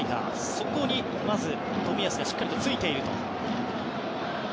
そこに冨安がしっかりとついていると。